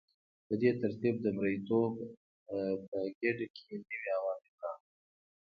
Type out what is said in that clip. په دې ترتیب د مرئیتوب په ګیډه کې نوي عوامل راغلل.